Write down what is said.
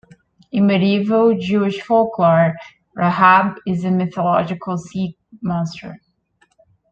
In medieval Jewish folklore, Rahab is a mythical sea monster.